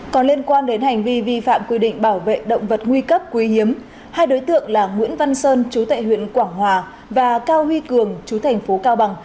còn liên quan đến hành vi vi phạm quy định bảo vệ động vật nguy cấp quý hiếm hai đối tượng là nguyễn văn sơn chú tại huyện quảng hòa và cao huy cường chú thành phố cao bằng